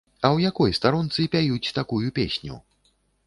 А ў якой старонцы пяюць такую песню?